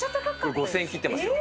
５０００円切ってますよ。